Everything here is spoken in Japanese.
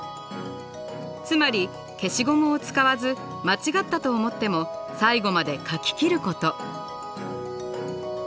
つまり消しゴムを使わず間違ったと思っても最後まで描き切ること。